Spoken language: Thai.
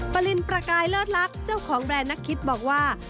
ปรินประกายเลิศลักษณ์เจ้าของแบรนด์นักคิดบอกว่า